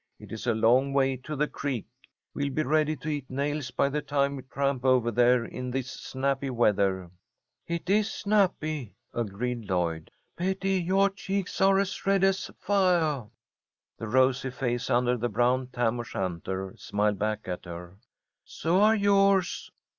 It is a long way to the creek. We'll be ready to eat nails by the time we tramp over there in this snappy weather." "It is snappy," agreed Lloyd. "Betty, yoah cheeks are as red as fiah." The rosy face under the brown tam o' shanter smiled back at her. "So are yours.